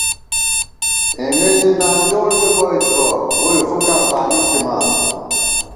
اېمے زی نانجوڑ بِبوئیت بہ، ووئی فُکاں بانی تھِمان